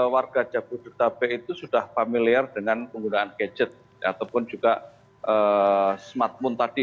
warga jabodetabek itu sudah familiar dengan penggunaan gadget ataupun juga smartphone tadi